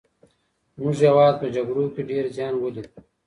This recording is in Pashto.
زمونږ هېواد په جګړو کي ډېر زيان وليد.